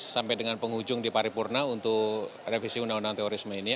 sampai dengan penghujung di paripurna untuk revisi undang undang terorisme ini